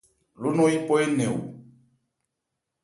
Ló nɔn yípɔ énɛn ò.